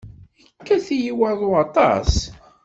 Yekkat-iyi waḍu aṭas.